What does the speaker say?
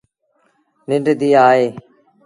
ننڊ ڌيٚ آئي۔ ا